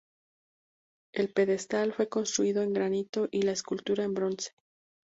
El pedestal fue construido en granito y la escultura en bronce.